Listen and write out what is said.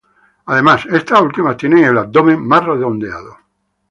Además, estas últimas tienen el abdomen más redondeado.